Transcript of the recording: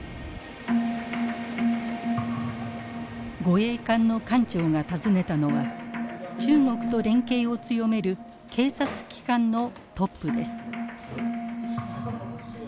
護衛艦の艦長が訪ねたのは中国と連携を強める警察機関のトップです。